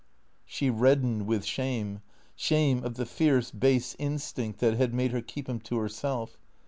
She reddened with shame; shame of the fierce, base instinct that had made her keep him to herself.